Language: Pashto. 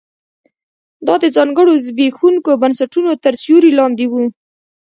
دا د ځانګړو زبېښونکو بنسټونو تر سیوري لاندې و